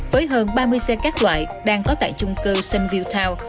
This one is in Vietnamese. với hơn ba mươi xe các loại đang có tại chung cơ sunview town